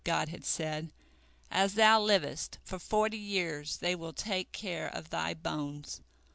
God had said, "As thou livest, for forty years they will take care of thy bones."